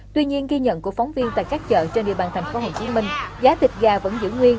tuy nhiên ghi nhận của phóng viên tại các chợ trên địa bàn tp hcm giá thịt gà vẫn giữ nguyên